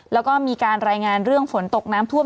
แล้วก็มีการรายงานเรื่องฝนตกน้ำท่วม